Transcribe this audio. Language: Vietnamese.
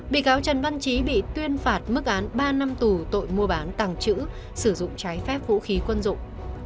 bị cáo trần văn trí bị tuyên phạt mức án ba năm tù tội mua bán tàng trữ sử dụng trái phép vũ khí quân dụng